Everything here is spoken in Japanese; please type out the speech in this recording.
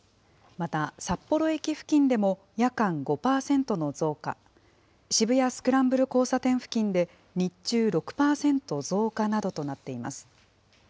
また札幌駅付近でも夜間５％の増加、渋谷スクランブル交差点付近で日中６％増加などとなっています。